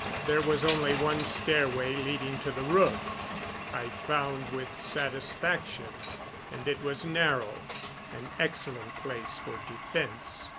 There was only one stairway leading to the roof, I found with satisfaction, and it was narrow an excellent place for defense.